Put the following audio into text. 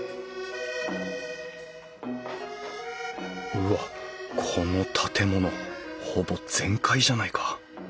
うわっこの建物ほぼ全壊じゃないか。